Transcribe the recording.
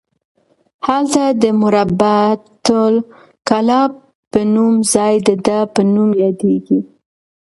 هلته د مربعة کلاب په نوم ځای د ده په نوم یادیږي.